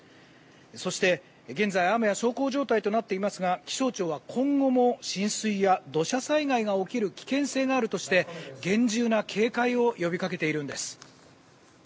そして、現在雨は小康状態となっていますが気象庁は今後も浸水や土砂災害が起きる危険性があるとして厳重な警戒を呼びかけているんです。